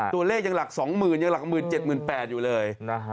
ตัวเลขยังหลักสองหมื่นยังหลักหมื่นเจ็ดหมื่นแปดอยู่เลย